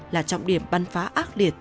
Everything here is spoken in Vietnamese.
là trọng điểm băn phá ác liệt